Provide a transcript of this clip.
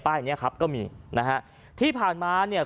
เนี้ยครับก็มีนะฮะที่ผ่านมาเนี่ย